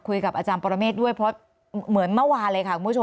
คุยกับอาจารย์ปรเมษต์ด้วยเพราะเหมือนเมื่อวานเลยค่ะ